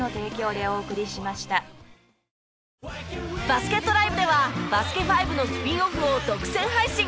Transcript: バスケットＬＩＶＥでは『バスケ☆ＦＩＶＥ』のスピンオフを独占配信。